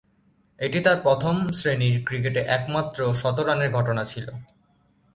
এটিই তার প্রথম-শ্রেণীর ক্রিকেটে একমাত্র শতরানের ঘটনা ছিল।